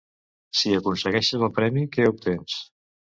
Si aconsegueixes el premi, què obtens?